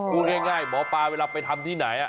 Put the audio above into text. พูดง่ายหมอปลาเวลาไปทำที่ไหน